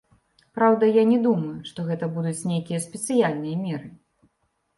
Праўда, я не думаю, што гэта будуць нейкія спецыяльныя меры.